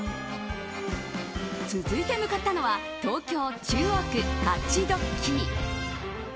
続いて向かったのは東京・中央区勝どき。